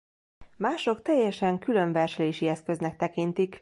Mások teljesen külön verselési eszköznek tekintik.